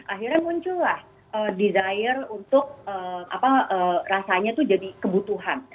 akhirnya muncullah desire untuk rasanya itu jadi kebutuhan